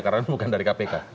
karena bukan dari kpk